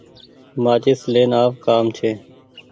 مآچيس لين آو ڪآم ڇي۔